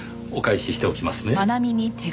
お返ししておきますね。